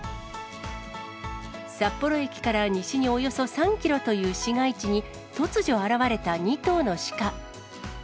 札幌駅から西におよそ３キロという市街地に、突如現れた２頭のシカ。